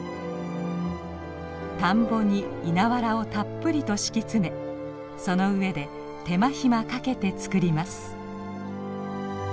田んぼに稲わらをたっぷりと敷き詰めその上で手間暇かけて作ります。